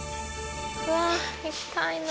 うわ行きたいな。